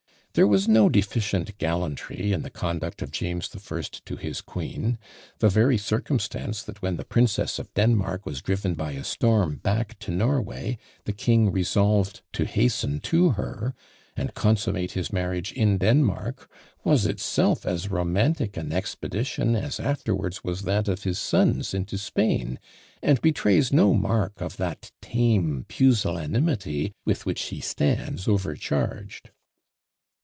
There was no deficient gallantry in the conduct of James the First to his queen; the very circumstance, that when the Princess of Denmark was driven by a storm back to Norway, the king resolved to hasten to her, and consummate his marriage in Denmark, was itself as romantic an expedition as afterwards was that of his son's into Spain, and betrays no mark of that tame pusillanimity with which he stands overcharged.